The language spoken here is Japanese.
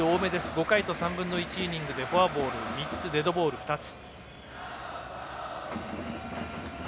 ５回と３分の１イニングでフォアボール３つデッドボール２つ。